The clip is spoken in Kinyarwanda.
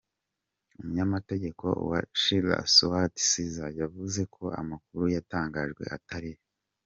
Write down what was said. Umunyamategeko wa Schiller, Stuart Sears yavuze ko amakuru yatangajwe atari yo.